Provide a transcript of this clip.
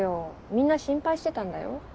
みんな心配してたんだよ？